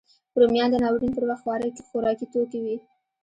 رومیان د ناورین پر وخت خوارکي توکی وي